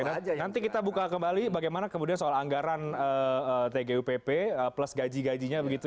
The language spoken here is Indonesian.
oke nanti kita buka kembali bagaimana kemudian soal anggaran tgupp plus gaji gajinya begitu